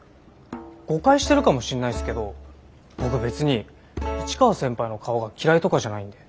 誤解してるかもしんないすけど僕別に市川先輩の顔が嫌いとかじゃないんで。